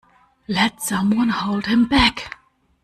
Let some one hold him back.